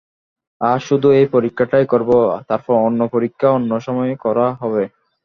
আজ শুধু এই পরীক্ষাটাই করব, তারপর অন্য পরীক্ষা অন্য সময়ে করা হবে।